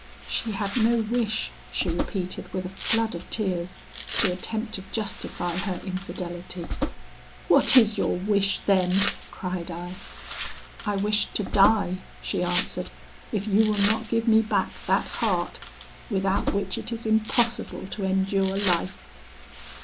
She had no wish, she repeated with a flood of tears, to attempt to justify her infidelity. 'What is your wish, then?' cried I. 'I wish to die,' she answered, 'if you will not give me back that heart, without which it is impossible to endure life.'